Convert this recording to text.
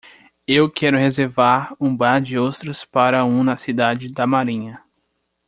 Eu quero reservar um bar de ostras para um na cidade da Marinha.